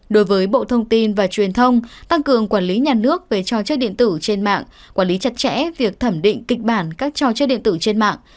đối với bộ thông tin và truyền thông tăng cường quản lý nhà nước về cho chơi điện tử trên mạng quản lý chặt chẽ việc thẩm định kịch bản các trò chơi điện tử trên mạng